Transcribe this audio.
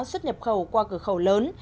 xuất nhập khẩu qua cửa khẩu lớn